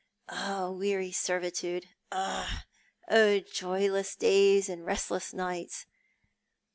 Oh, weary servitude! oh, joyless days and restless nights